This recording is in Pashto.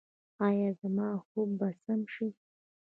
ایا زما خوب به سم شي؟